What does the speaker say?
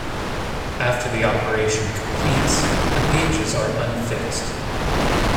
After the operation completes, the pages are unfixed.